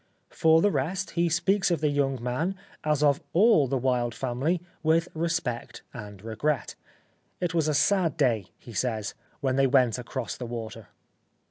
For the rest, he speaks of the young man, as of all the Wilde family, with respect and regret. " It was a sad day," he says, " when they went across the water."